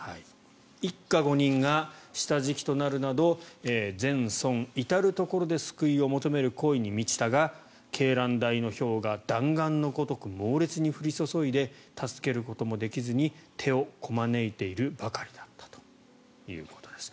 一家５人が下敷きとなるなど全村至るところで救いを求める声に満ちたが鶏卵大のひょうが弾丸のごとく猛烈に降り注いで助けることもできずに手をこまねいているばかりだったということです。